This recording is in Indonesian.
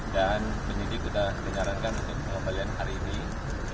dan penyidik kita dinyarankan untuk pengembalian hari ini